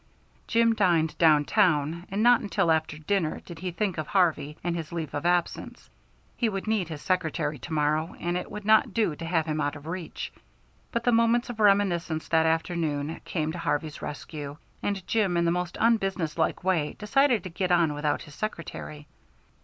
Jim dined down town, and not until after dinner did he think of Harvey and his leave of absence. He would need his secretary to morrow, and it would not do to have him out of reach. But the moments of reminiscence that afternoon came to Harvey's rescue, and Jim in the most unbusinesslike way decided to get on without his secretary.